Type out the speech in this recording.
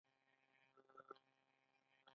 د واده نېټه را ورسېده ديګونه بار شول.